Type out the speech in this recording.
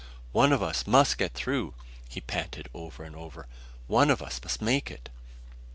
"One of us must get through!" he panted over and over. "One of us must make it!"